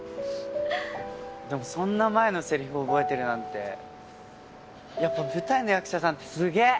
でもそんな前の台詞覚えてるなんてやっぱ舞台の役者さんってすげえ！